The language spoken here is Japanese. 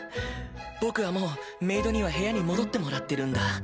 僕はもうメイドには部屋に戻ってもらってるんだ。